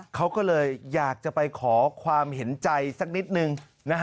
เขาก็เลยอยากจะไปขอความเห็นใจสักนิดนึง